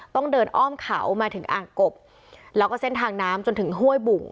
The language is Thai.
ต้องเดินอ้อมเขามาถึงอ่างกบแล้วก็เส้นทางน้ำจนถึงห้วยบุ่ง